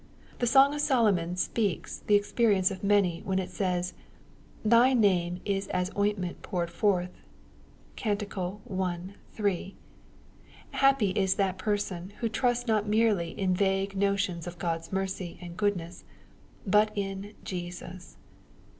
The Song of Solo mon speaks the experience of many, when it says, " thy name is as ointment poured forth." (Cant. i. 3.) Happy is that person, who trusts not merely in vague notions of God's mercy and goodness, but in " Jesus."